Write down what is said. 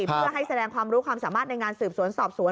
เพื่อให้แสดงความรู้ความสามารถในงานสืบสวนสอบสวน